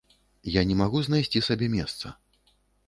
Я не магу знайсці сабе месца.